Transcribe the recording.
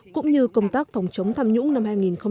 cũng như công tác phòng chống tham nhũng năm hai nghìn một mươi bảy